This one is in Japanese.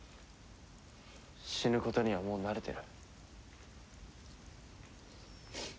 死ぬことにはもう慣れてる。